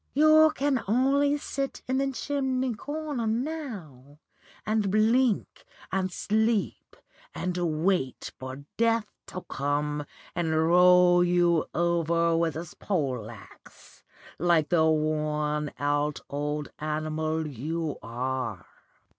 You can only sit in the chimney corner now, and blink and sleep, and wait for Death to come and roll you over with his pole axe, like the worn out old animal you are.